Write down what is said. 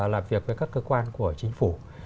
làm việc với các cơ quan của chính phủ